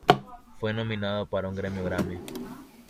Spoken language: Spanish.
Fue nominado para un premio Grammy.